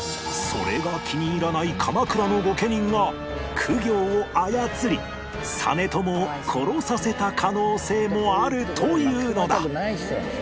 それが気に入らない鎌倉の御家人が公暁を操り実朝を殺させた可能性もあるというのだ